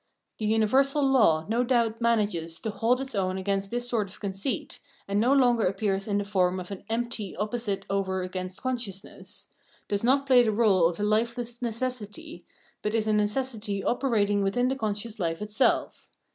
The uni versal law no doubt manages to hold its own against this sort of conceit, and no longer appears in the form of an empty opposite over against consciousness, does not play the role of a lifeless necessity, but is a necessity operating within the conscious life itself.